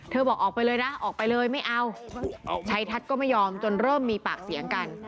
บอกออกไปเลยนะออกไปเลยไม่เอาชัยทัศน์ก็ไม่ยอมจนเริ่มมีปากเสียงกัน